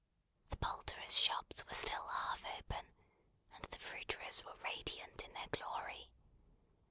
The poulterers' shops were still half open, and the fruiterers' were radiant in their glory.